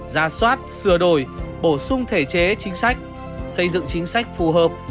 ra soát sửa đổi bổ sung thể chế chính sách xây dựng chính sách phù hợp